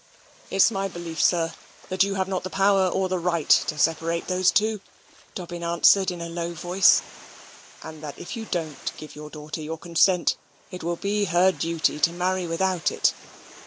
"It's my belief, sir, that you have not the power or the right to separate those two," Dobbin answered in a low voice; "and that if you don't give your daughter your consent it will be her duty to marry without it.